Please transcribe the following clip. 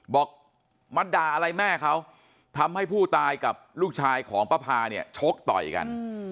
บอกมาด่าอะไรแม่เขาทำให้ผู้ตายกับลูกชายของป้าพาเนี่ยชกต่อยกัน